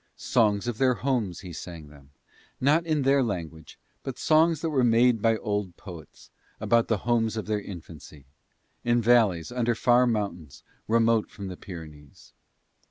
Songs of their homes he sang them, not in their language, but songs that were made by old poets about the homes of their infancy, in valleys under far mountains remote from the Pyrenees.